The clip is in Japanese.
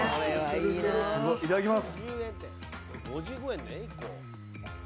いただきます。